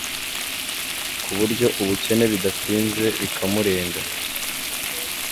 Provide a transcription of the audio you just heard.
kuburyo ubukene bidatinze bikamurenga